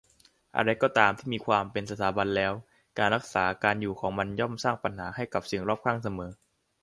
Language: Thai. อะไรก็ตามที่มีความเป็นสถาบันแล้ว การรักษาการอยู่ของมันย่อมสร้างปัญหาให้กับสิ่งรอบข้างเสมอ